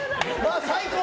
最高！